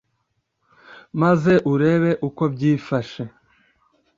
maze urebe uko byifashe